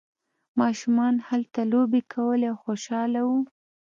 ماشومان هلته لوبې کولې او خوشحاله وو.